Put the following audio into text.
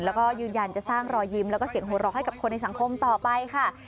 แล้วก็ยืนยันจะสร้างรอยยิ้มแล้วก็เสียงหัวเราะให้กับคนในสังคมต่อไปค่ะ